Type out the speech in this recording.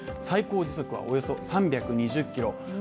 最高時速はおよそ３２０キロ。